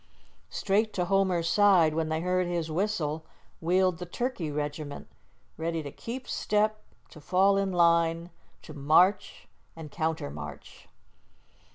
Straight to Homer's side when they heard his whistle, wheeled the turkey regiment, ready to keep step, to fall in line, to march and countermarch.